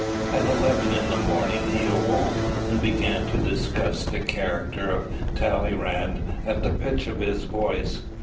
At eleven in the morning he awoke, and began to discuss the character of Talleyrand at the pitch of his voice.